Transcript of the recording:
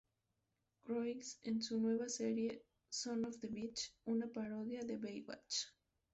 Croix en su nueva serie, "Son of the Beach", una parodia de "Baywatch".